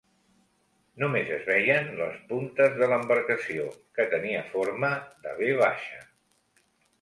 Només es veien les puntes de l’embarcació, que tenia forma de ve baixa.